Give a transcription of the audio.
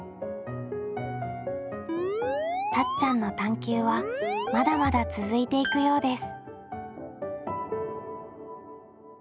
たっちゃんの探究はまだまだ続いていくようです。